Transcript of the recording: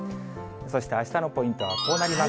そしてあしたのポイントはこうなります。